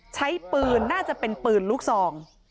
ใช้ปืนน่าจะเป็นปืนลูกซอง